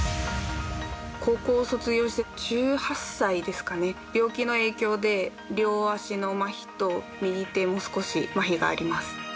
高校卒業して１８歳ですかね病気の影響で両足のまひと右手も少し、まひがあります。